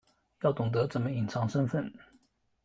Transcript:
要懂得怎么隐藏身份